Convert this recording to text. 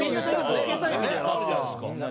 ボケたいみたいなのあるじゃないですか。